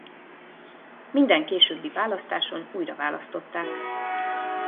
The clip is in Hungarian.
Minden későbbi választáson újraválasztották.